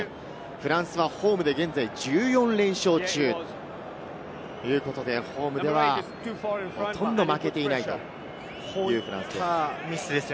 フランスはホームで現在１４連勝中。ということで、ホームではほとんど負けていないというフランスです。